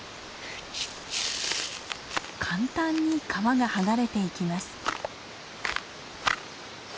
簡単に皮が剥がれていきます。